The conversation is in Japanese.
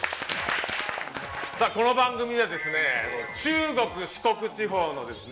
さあこの番組はですね中国四国地方のですね